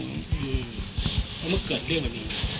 อืมแล้วเมื่อเกิดเรื่องแบบนี้